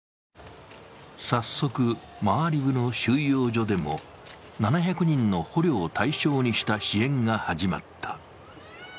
早速、マアリブの収容所でも７００人の捕虜を対象にした支援が始まった。